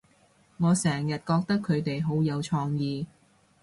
我成日覺得佢哋好有創意